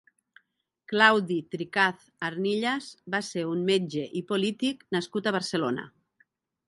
Claudi Tricaz Arnillas va ser un metge i polític nascut a Barcelona.